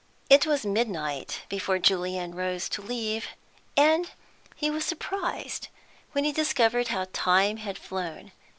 It was midnight before Julian rose to leave, and he was surprised when he discovered how time had flown.